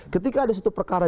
ketika ada suatu perkara